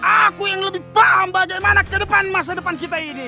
aku yang lebih paham bagaimana ke depan masa depan kita ini